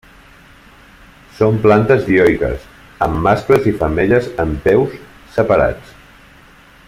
Són plantes dioiques amb mascles i femelles en peus separats.